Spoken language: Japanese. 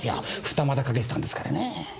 二股かけてたんですからね。